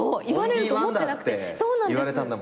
オンリーワンだって言われたんだもんね。